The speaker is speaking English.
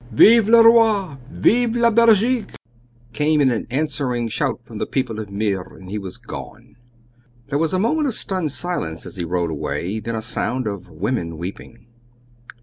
"Vive le Roi! Vive la Belgique!" came in an answering shout from the people of Meer, and he was gone. There was a moment of stunned silence as he rode away; then a sound of women weeping.